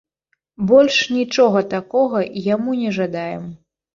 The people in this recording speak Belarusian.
Больш нічога такога яму не жадаем.